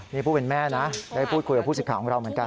นี่ผู้เป็นแม่นะได้พูดคุยกับผู้สิทธิ์ของเราเหมือนกัน